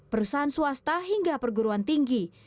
perusahaan swasta hingga perguruan tinggi